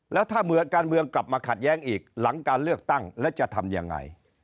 แล้วถ้าเมื่อการเมืองกลับมาขัดแย้งอีกหลังการเลือกตั้งแล้วจะทำยังไง